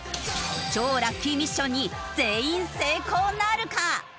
超ラッキーミッションに全員成功なるか？